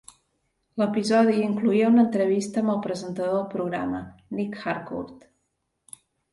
L'episodi incloïa una entrevista amb el presentador del programa, Nic Harcourt.